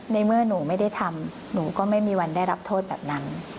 ในเมื่อหนูไม่ได้ทำหนูก็ไม่มีวันได้รับโทษแบบนั้น